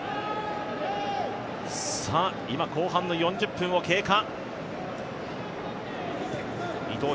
今、後半の４０分を経過。